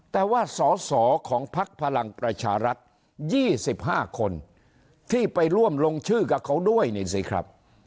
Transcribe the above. แต่ว่าสอสอของพักพลังประชารัฐ๒๕คนที่ไปร่วมลงชื่อกับเขาด้วยนี่สิครับ